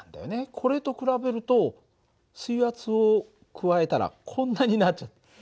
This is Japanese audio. これと比べると水圧を加えたらこんなになっちゃった。